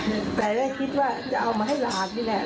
เดินซื้อของต่อใช่แต่ก็คิดว่าจะเอามาให้หลากนี่แหละ